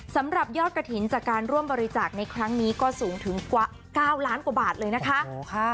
สำหรับยอดกระถิ่นจากการร่วมบริจาคในครั้งนี้ก็สูงถึงกว่า๙ล้านกว่าบาทเลยนะคะ